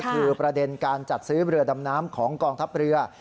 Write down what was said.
คือประเด็นการจัดซื้อเรือดำน้ำของกองทัพเรือ